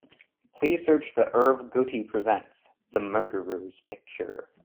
Please search the Irv Gotti Presents: The Murderers picture.